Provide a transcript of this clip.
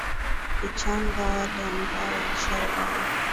ichanga wale ambao walishauwawa